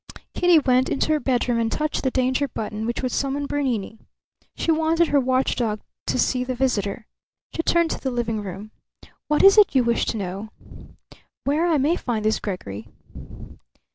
Kitty went into her bedroom and touched the danger button, which would summon Bernini. She wanted her watchdog to see the visitor. She returned to the living room. "What is it you wish to know?" "Where I may find this Gregory."